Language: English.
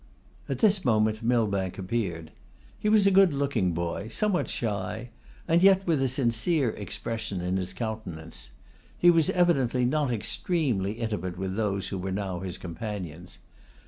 At this moment Millbank entered. He was a good looking boy, somewhat shy, and yet with a sincere expression in his countenance. He was evidently not extremely intimate with those who were now his companions.